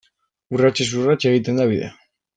Urratsez urrats egiten da bidea.